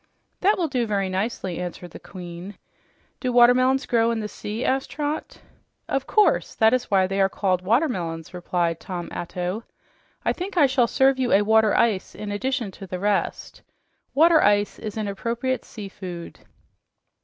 "That will do very nicely," answered the Queen. "Do watermelons grow in the sea?" asked Trot. "Of course, that is why they are called watermelons," replied Tom Atto. "I think I shall serve you a water ice, in addition to the rest. Water ice is an appropriate sea food."